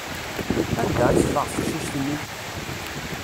Anda i teffeɣ teqcict-nni?